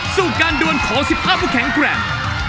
สู่การดวนขอ๑๕ผู้แข็งแกร่ง